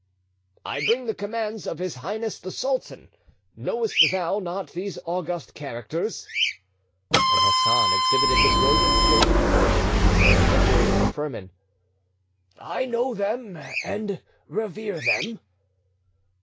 "I bring the commands of His Highness the Sultan,—knowest thou not these august characters?" And Hassan exhibited the brilliantly gilded frontispiece which decorated the firman. "I know them and revere them."